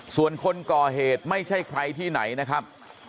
ส่วนคนก่อเหตุไม่ใช่ใครที่ไหนนะครับ